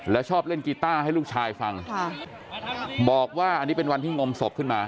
แล้วชอบเล่นกีต้าให้ลูกชายฟังค่ะบอกว่าอันนี้เป็นวันที่งมศพขึ้นมา